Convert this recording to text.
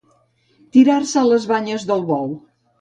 Tirar-se a les banyes del bou.